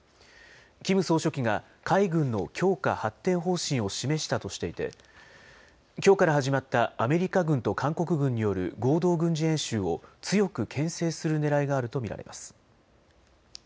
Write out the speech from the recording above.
キム総書記が海軍の強化・発展方針を示したとしていてきょうから始まったアメリカ軍と韓国軍による合同軍事演習を強くけん制するねらいがあると見られます。